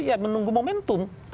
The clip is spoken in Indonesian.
ya menunggu momentum